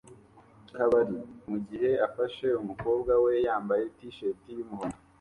kabari mugihe afashe umukobwa we yambaye t-shirt yumuhondo